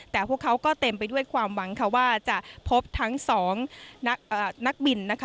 แต่พวกเขาก็เต็มไปด้วยความหวังค่ะว่าจะพบทั้งสองนักบินนะคะ